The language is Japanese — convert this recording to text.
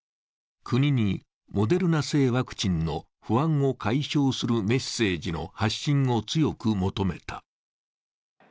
国にモデルナ製ワクチンの不安を解消するメッセージの発信を強く求めた。